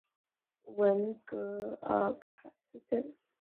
文格尔卡市镇是俄罗斯联邦伊尔库茨克州泰舍特区所属的一个市镇。